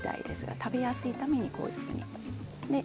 食べやすいためにこういうふうに。